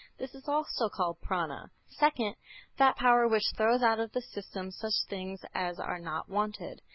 This is also called Prâna. Second, that power which throws out of the system such things as are not wanted.